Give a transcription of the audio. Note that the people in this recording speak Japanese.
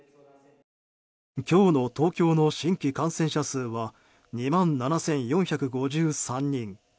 今日の東京の新規感染者数は２万７４５３人。